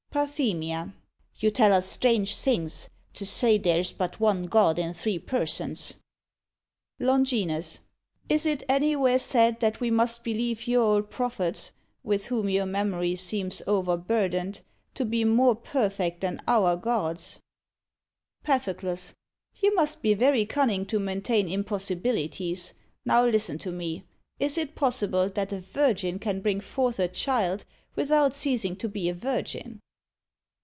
PARTHEMIA. You tell us strange things, to say there is but one God in three persons. LONGINUS. Is it any where said that we must believe your old prophets (with whom your memory seems overburdened) to be more perfect than our gods? PATHOCLUS. You must be very cunning to maintain impossibilities. Now listen to me: Is it possible that a virgin can bring forth a child without ceasing to be a virgin?